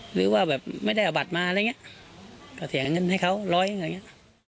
หรือว่าแบบไม่ได้เอาบัตรมาอะไรอย่างเงี้ยก็เสียเงินให้เขาร้อยหนึ่งอย่างเงี้ย